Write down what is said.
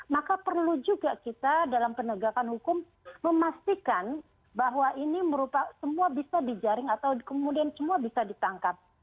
maka perlu juga kita dalam penegakan hukum memastikan bahwa ini semua bisa dijaring atau kemudian semua bisa ditangkap